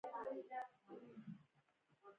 هغه دومره شوم دی، چې پیشو ته هم ډوډۍ نه ورکوي.